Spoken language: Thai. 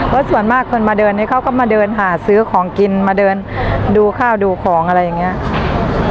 แล้วส่วนมากคนมาเดินนี้เขาก็มาเดินหาซื้อของกินมาเดินดูข้าวดูของอะไรอย่างนี้